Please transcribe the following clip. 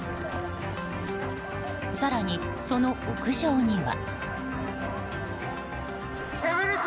更に、その屋上には。